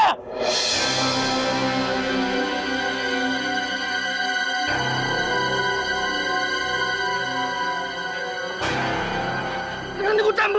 tidak nanti gua campur